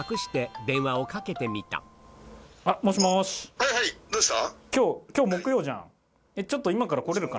はいはいどうした？